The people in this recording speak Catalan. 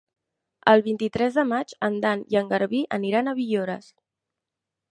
El vint-i-tres de maig en Dan i en Garbí aniran a Villores.